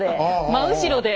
真後ろで。